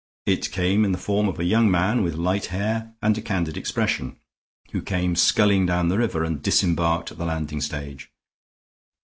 It came in the form of a young man with light hair and a candid expression, who came sculling down the river and disembarked at the landing stage.